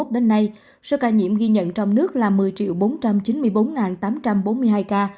đến nay số ca nhiễm ghi nhận trong nước là một mươi bốn trăm chín mươi bốn tám trăm bốn mươi hai ca